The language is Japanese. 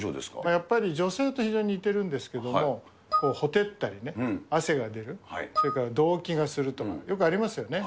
やっぱり、女性と非常に似てるんですけれども、ほてったりね、汗が出る、それから動悸がするとか、よくありますよね。